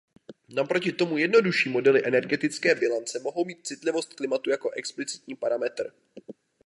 Naproti tomu jednodušší modely energetické bilance mohou mít citlivost klimatu jako explicitní parametr.